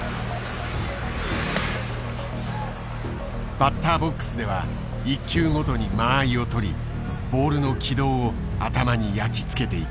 バッターボックスでは１球ごとに間合いをとりボールの軌道を頭に焼き付けていく。